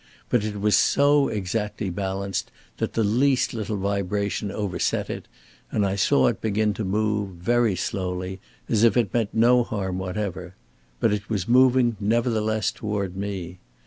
But it was so exactly balanced that the least little vibration overset it, and I saw it begin to move, very slowly, as if it meant no harm whatever. But it was moving, nevertheless, toward me.